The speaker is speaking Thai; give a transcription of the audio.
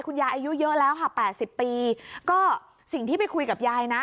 อายุเยอะแล้วค่ะ๘๐ปีก็สิ่งที่ไปคุยกับยายนะ